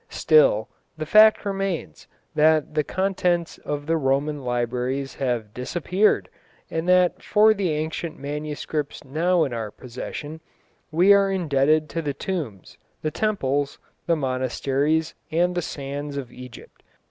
Still, the fact remains that the contents of the Roman libraries have disappeared, and that for the ancient manuscripts now in our possession we are indebted to the tombs, the temples, the monasteries, and the sands of Egypt.